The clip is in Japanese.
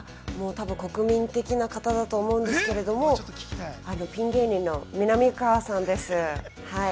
国民的な方だと思いますけれど、ピン芸人のみなみかわさんです。